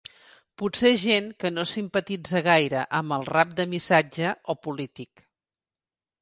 Potser gent que no simpatitza gaire amb el rap de missatge o polític.